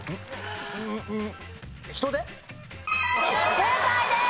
正解です！